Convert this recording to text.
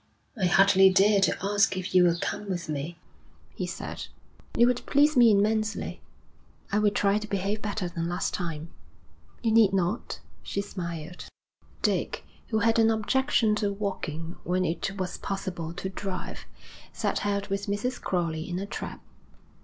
'I hardly dare to ask if you will come with me,' he said. 'It would please me immensely.' 'I will try to behave better than last time.' 'You need not,' she smiled. Dick, who had an objection to walking when it was possible to drive, set out with Mrs. Crowley in a trap.